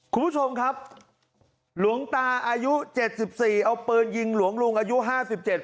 คุณผู้ชมครับหลวงตาอายุเจ็ดสิบสี่เอาปืนยิงหลวงลุงอายุห้าสิบเจ็ด